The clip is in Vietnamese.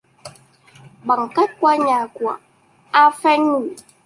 Bằng cách qua nhà của A Pheng ngủ